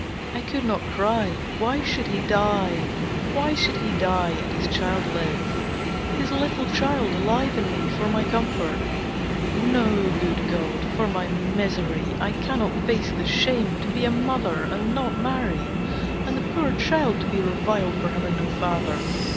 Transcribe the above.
I could not cry. Why should he die? Why should he die and his child live? His little child alive in me, for my comfort. No, Good God, for my misery! I cannot face the shame, to be a mother, and not married, and the poor child to be reviled for having no father.